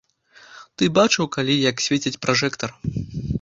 Ты бачыў калі, як свеціць пражэктар?